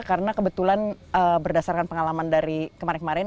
karena kebetulan berdasarkan pengalaman dari kemarin kemarin